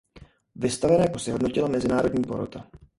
Vystavené kusy hodnotila mezinárodní porota.